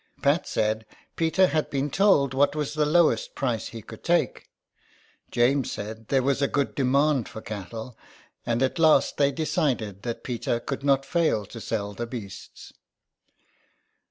Pat said Peter had been told what was the lowest price he could take, James said there was a good demand for cattle, and at last they decided that Peter could not fail to sell the beasts.